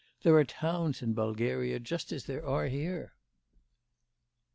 There are towns in Bulgaria just as there are here.